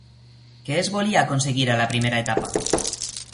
Què es volia aconseguir a la primera etapa?